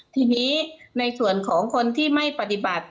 ทีนี้ในส่วนของคนที่ไม่ปฏิบัติ